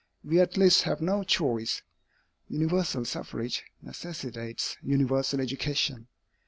We at least have no choice. Universal suffrage necessitates universal education.